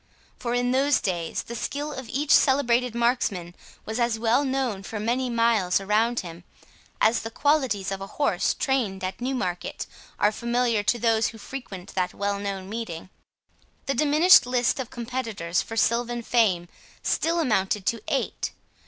For in those days the skill of each celebrated marksman was as well known for many miles round him, as the qualities of a horse trained at Newmarket are familiar to those who frequent that well known meeting. The diminished list of competitors for silvan fame still amounted to eight.